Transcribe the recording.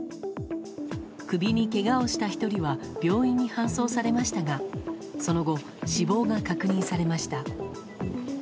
首にけがをした１人は病院に搬送されましたがその後、死亡が確認されました。